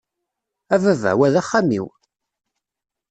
A baba, wa d axxam-iw!